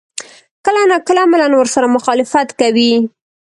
کله نا کله عملاً ورسره مخالفت کوي.